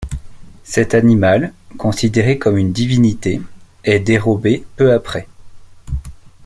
Cet animal, considéré comme une divinité, est dérobé peu après.